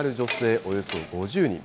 およそ５０人。